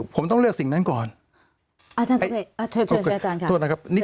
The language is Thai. ผมต้องเลือกสิ่งนั้นก่อนอาจารย์โทษนะครับ